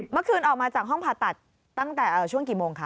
เมื่อคืนออกมาจากห้องผ่าตัดตั้งแต่ช่วงกี่โมงคะ